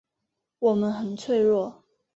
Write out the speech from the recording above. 我们很脆弱